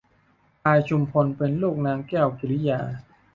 พลายชุมพลเป็นลูกนางแก้วกิริยา